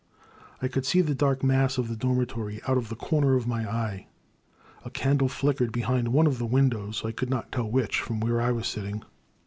I could see the dark mass of the dormitory out of the comer of my eye. A candle flickered be hind one of the windows, I could not tell which, from where I was sitting.